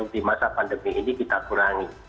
di masa pandemi ini kita kurangi